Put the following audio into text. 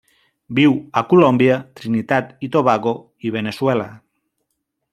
Viu a Colòmbia, Trinitat i Tobago i Veneçuela.